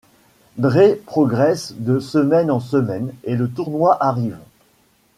Dré progresse de semaine en semaine, et le tournoi arrive.